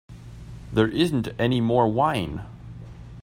There isn't any more wine.